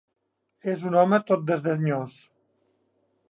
És un home tot desdenyós.